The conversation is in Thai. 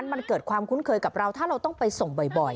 มันเกิดความคุ้นเคยกับเราถ้าเราต้องไปส่งบ่อย